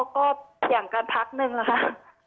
ก็เกี่ยงกันพักนึงแล้วค่ะ